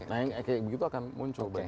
nah kayak begitu akan muncul